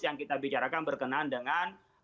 yang kita bicarakan berkenaan dengan